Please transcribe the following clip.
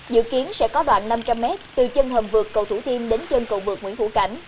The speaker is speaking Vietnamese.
dự kiến sẽ có đoạn năm trăm linh m từ chân hầm vượt cầu thủ tiêm đến chân cầu vượt nguyễn hữu cảnh